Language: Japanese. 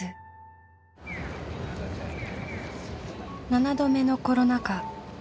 ７度目のコロナ禍。